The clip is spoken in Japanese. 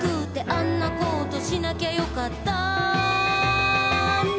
「あんなことしなきゃよかったな」